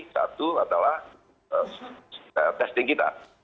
satu adalah testing kita